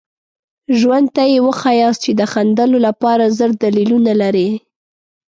ژوند ته یې وښایاست چې د خندلو لپاره زر دلیلونه لرئ.